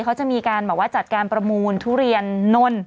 เขาจะมีการแบบว่าจัดการประมูลทุเรียนน่น